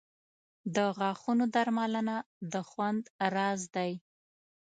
• د غاښونو درملنه د خوند راز دی.